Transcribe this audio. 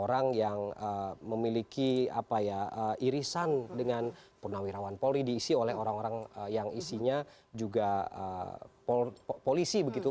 orang yang memiliki irisan dengan purnawirawan polri diisi oleh orang orang yang isinya juga polisi begitu